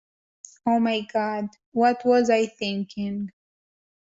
Oh my God, what was I thinking?